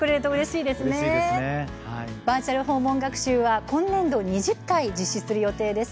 バーチャル訪問学習は今年度２０回、実施する予定です。